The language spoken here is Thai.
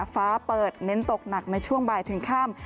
ฟ้าเปิดเน้นตกหนักในช่วงบ่ายถึงค่ำ